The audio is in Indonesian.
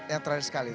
yang terakhir sekali